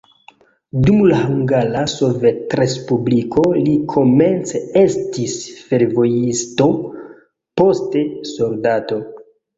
Dum la Hungara Sovetrespubliko li komence estis fervojisto, poste soldato.